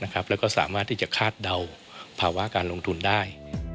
แล้วก็สามารถที่จะคาดเดาภาวะการลงทุนได้